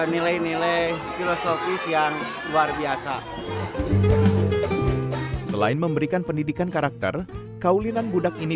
nilai nilai filosofis yang luar biasa selain memberikan pendidikan karakter kaulinan budak ini